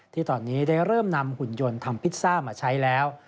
ที่ตอนนี้ได้เริ่มนำหุ่นยนต์ทำพิซซ่ามาใช้แล้ว